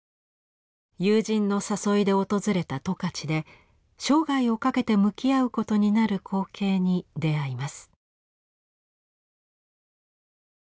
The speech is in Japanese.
友人の誘いで訪れた十勝で生涯をかけて向き合うことになる光景に出会います。